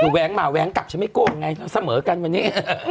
คือแว้งมาแว้งกลับฉันไม่โกงไงเสมอกันวันนี้